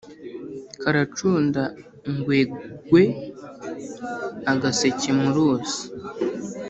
Karacunda ngwegwe-Agaseke mu ruzi.